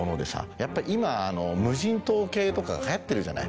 やっぱ今無人島系とかが流行ってるじゃない。